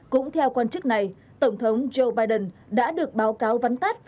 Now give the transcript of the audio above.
cũng theo quan chức này tổng thống joe biden đã được báo cáo vắn tát về tình hình